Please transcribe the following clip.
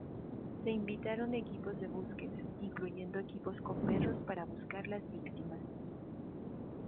Se invitaron equipos de búsqueda, incluyendo equipos con perros, para buscar las víctimas.